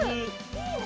いいね！